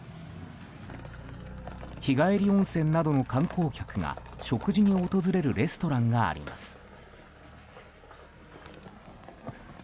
日帰り温泉などの観光客が食事に訪れるレストランがあります。